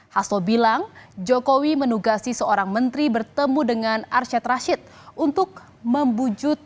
hasto bilang jokowi menugasi seorang menteri bertemu dengan arsyad rashid untuk membujuk